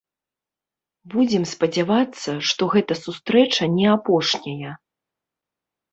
Будзем спадзявацца, што гэта сустрэча не апошняя.